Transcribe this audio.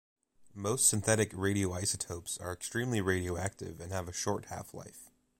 Most synthetic radioisotopes are extremely radioactive and have a short half-life.